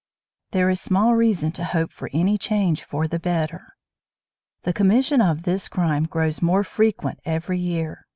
There is small reason to hope for any change for the better. The commission of this crime grows more frequent every year.